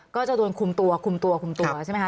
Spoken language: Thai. ก็จะโดนคุมตัวคุมตัวคุมตัวใช่ไหมคะ